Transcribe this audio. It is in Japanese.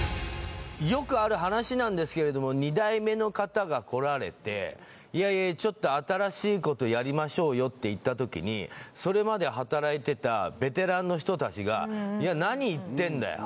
よくある話なんですけれども２代目の方がこられていやいやちょっと新しいことやりましょうよっていったときにそれまで働いてたベテランの人たちがいや何言ってんだよ